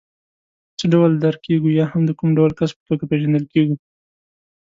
څه ډول درک کېږو یا هم د کوم ډول کس په توګه پېژندل کېږو.